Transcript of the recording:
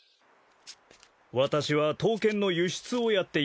私は刀剣の輸出をやっていましてね。